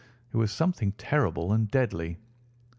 It was something terrible and deadly.